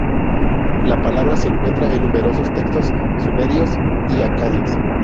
La palabra se encuentra en numerosos textos sumerios y acadios.